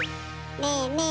ねえねえ